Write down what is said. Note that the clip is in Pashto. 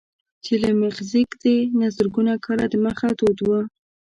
چې له مخزېږدي نه زرګونه کاله دمخه دود و.